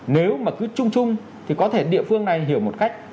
nếu mà cứ chung chung thì có thể địa phương này hiểu một cách